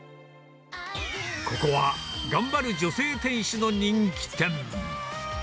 ここは、頑張る女性店主の人気店。